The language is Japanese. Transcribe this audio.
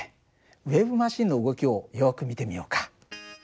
ウエーブマシンの動きをよく見てみようか。